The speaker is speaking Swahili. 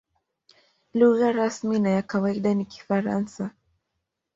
Lugha rasmi na ya kawaida ni Kifaransa.